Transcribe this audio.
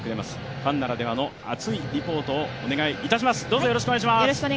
ファンならではの熱いリポートをお願いいたします。